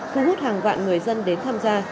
cứu hút hàng vạn người dân đến tham gia